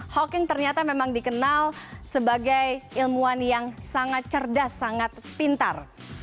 hawking ternyata memang dikenal sebagai ilmuwan yang sangat cerdas sangat pintar